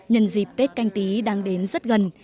nhân dịp tết canh tí đang đến rất gần